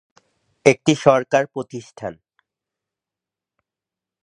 একটি সরকার প্রতিষ্ঠান।